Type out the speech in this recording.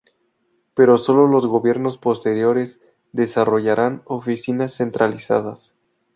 Pero sólo los gobiernos posteriores desarrollarán oficinas centralizadas.